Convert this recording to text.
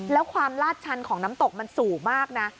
แล้วความลาดชันของน้ำตกมันสูงมากนะ